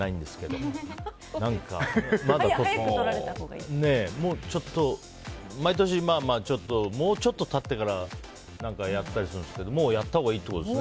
もう、毎年もうちょっとしてからやりますけどもうやったほうがいいってことですね。